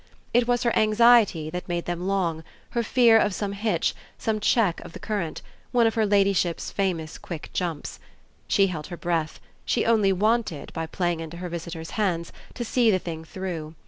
It was her anxiety that made them long, her fear of some hitch, some check of the current, one of her ladyship's famous quick jumps. She held her breath; she only wanted, by playing into her visitor's hands, to see the thing through.